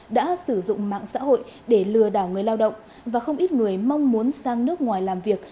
đã sử dụng mạng xã hội để lừa đảo người lao động và không ít người mong muốn sang nước ngoài làm việc